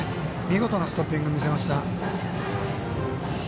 見事なストッピング見せました。